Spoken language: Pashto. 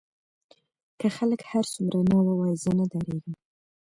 که خلک هر څومره نه ووايي زه نه درېږم.